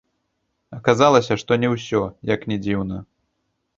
Аказалася, што не ўсё, як ні дзіўна.